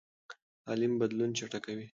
تعلیم بدلون چټکوي.